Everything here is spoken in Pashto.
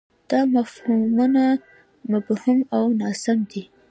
دا مفهومونه مبهم او ناسم دي.